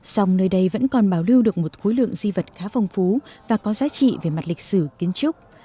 song nơi đây vẫn còn bảo lưu được một khối lượng di vật khá phong phú và có giá trị về mặt lịch sử kiến trúc